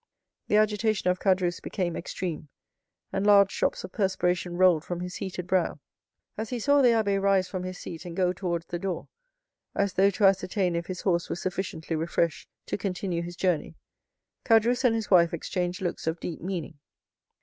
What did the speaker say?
The agitation of Caderousse became extreme, and large drops of perspiration rolled from his heated brow. As he saw the abbé rise from his seat and go towards the door, as though to ascertain if his horse were sufficiently refreshed to continue his journey, Caderousse and his wife exchanged looks of deep meaning.